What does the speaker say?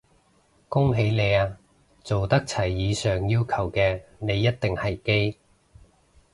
恭喜你啊，做得齊以上要求嘅你一定係基！